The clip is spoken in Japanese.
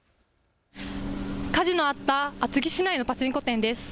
火事のあった厚木市内のパチンコ店です。